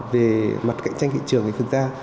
về mặt cạnh tranh thị trường thì thực ra